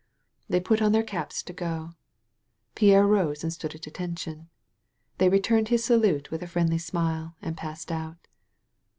They put on their caps to go. Pierre rose and stood at attention. They returned his salute with a friendly smile and passed out.